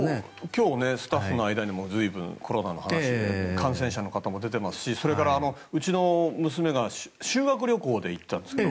今日、スタッフの間でも随分コロナの話が出て感染者の方も出ていますしそれから、うちの娘が修学旅行であったって言って。